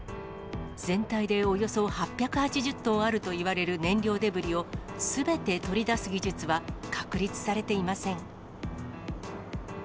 全体でおよそ８８０トンあるといわれる燃料デブリを、すべて取り出す技術は、確立されていません。